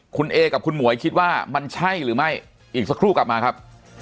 คุณเอกับคุณหมวยคิดว่ามันใช่หรือไม่อีกสักครู่กลับมาครับ